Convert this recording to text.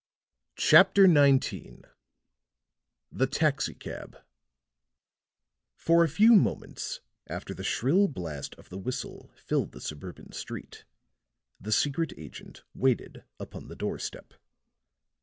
CHAPTER XIX THE TAXI CAB For a few moments after the shrill blast of the whistle filled the suburban street, the secret agent waited upon the door step.